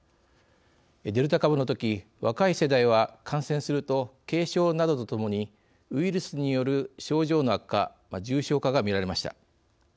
デルタ株のとき若い世代は感染すると軽症などとともにウイルスによる症状の悪化重症化が見られました。